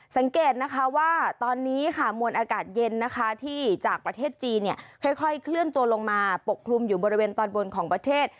สังเกตนะคะว่าตอนนี้ค่ะมวลอากาศเย็นนะคะที่จากประเทศจีนเนี่ยค่อยเคลื่อนตัวลงมาปกคลุมอยู่บริเวณตอนบนของประเทศ